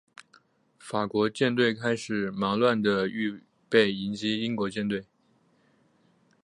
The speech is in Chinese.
法国舰队开始忙乱地预备迎击英国舰队。